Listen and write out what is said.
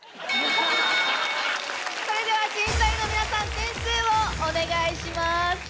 それでは審査員の皆さん点数をお願いします。